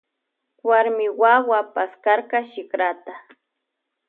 Warmi wawa paskarka shikrata.